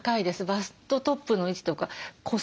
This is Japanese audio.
バストトップの位置とか腰の位置。